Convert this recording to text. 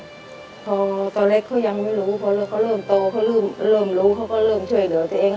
พอตอนแรกเขายังไม่รู้พอเขาเริ่มโตเขาเริ่มรู้เขาก็เริ่มช่วยเหลือตัวเอง